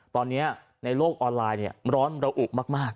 ตอนนี้ในโลกออนไลน์ร้อนระอุมาก